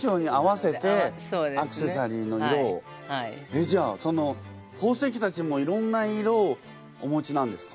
えっじゃあその宝石たちもいろんな色をお持ちなんですか？